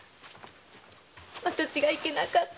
私がいけなかった。